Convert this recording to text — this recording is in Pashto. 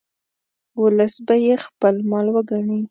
ولس به یې خپل مال وګڼي.